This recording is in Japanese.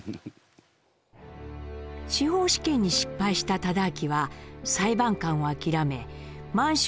司法試験に失敗した忠亮は裁判官を諦め満州